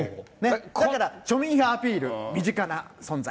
だから庶民派アピール、身近な存在。